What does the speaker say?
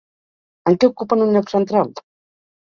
En què ocupen un lloc central?